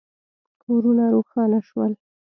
کورونه روښانه شول.